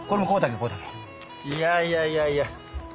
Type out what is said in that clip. いやいやいやいや。